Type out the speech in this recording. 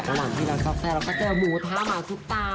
อาหารพี่นะครับแสดงเราก็จะมูท้ามาซุปตา